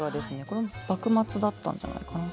これも幕末だったんじゃないかな。